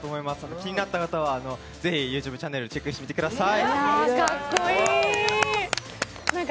気になった方はぜひＹｏｕＴｕｂｅチャンネルチェックしてみてください。